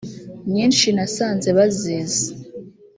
nyinshi nasanze bazizi